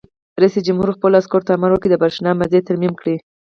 رئیس جمهور خپلو عسکرو ته امر وکړ؛ د برېښنا مزي ترمیم کړئ!